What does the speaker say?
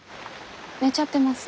寝ちゃってます。